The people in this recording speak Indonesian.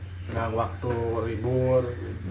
tidak waktu ribur